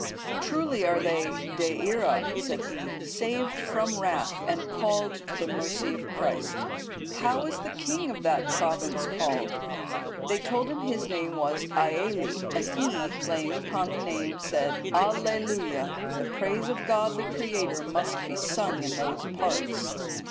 (159) "Truly are they De ira," said he, "saved from wrath, and called to the mercy of Christ. How is the king of that province called?" They told him his name was Aelli;(160) and he, playing upon the name, said, "Allelujah, the praise of God the Creator must be sung in those parts."